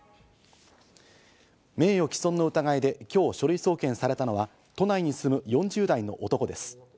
名誉毀損の疑いで今日、書類送検されたのは都内に住む４０代の男です。